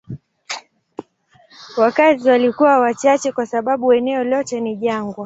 Wakazi walikuwa wachache kwa sababu eneo lote ni jangwa.